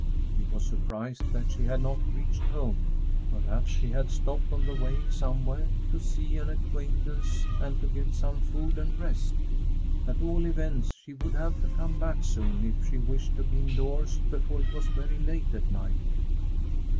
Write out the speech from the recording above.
He was surprised that she had not reached home. Perhaps she had stopped on the way somewhere to see an acquaintance and to get some food and rest? At all events, she would have to come back soon if she wished to be indoors before it was very late at night.